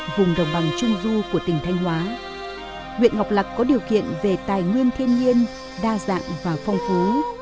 vùng đồng bằng trung du của tỉnh thanh hóa huyện ngọc lạc có điều kiện về tài nguyên thiên nhiên đa dạng và phong phú